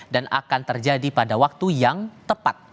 dan akan terjadi pada waktu yang tepat